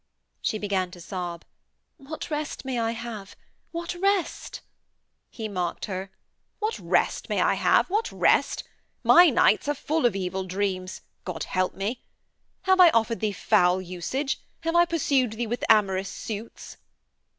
She began to sob: 'What rest may I have? What rest?' He mocked her: 'What rest may I have? What rest? My nights are full of evil dreams! God help me. Have I offered thee foul usage? Have I pursued thee with amorous suits?'